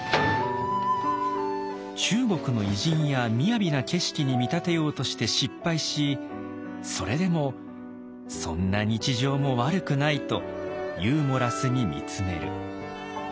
中国の偉人や雅な景色に見立てようとして失敗しそれでもそんな日常も悪くないとユーモラスに見つめる。